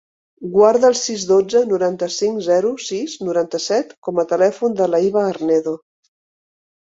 Guarda el sis, dotze, noranta-cinc, zero, sis, noranta-set com a telèfon de la Hiba Arnedo.